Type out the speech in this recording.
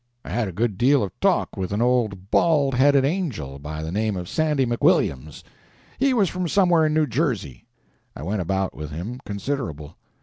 I had a good deal of talk with an old bald headed angel by the name of Sandy McWilliams. He was from somewhere in New Jersey. I went about with him, considerable.